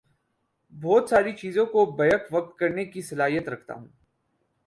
بہت ساری چیزوں کو بیک وقت کرنے کی صلاحیت رکھتا ہوں